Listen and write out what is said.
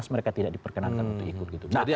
mereka tidak diperkenankan untuk ikut gitu